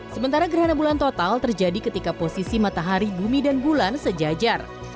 sementara gerhana bulan total terjadi ketika posisi matahari bumi dan bulan sejajar